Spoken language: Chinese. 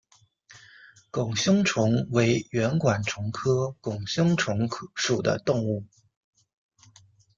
拱胸虫为圆管虫科拱胸虫属的动物。